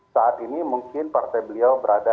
saat ini mungkin partai beliau berada